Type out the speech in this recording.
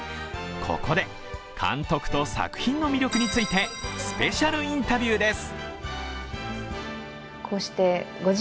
ここで監督と作品の魅力について、スペシャルインタビューです。